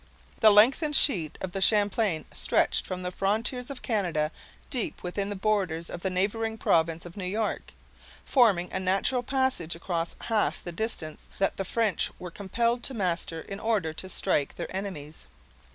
The lengthened sheet of the Champlain stretched from the frontiers of Canada, deep within the borders of the neighboring province of New York, forming a natural passage across half the distance that the French were compelled to master in order to strike their enemies.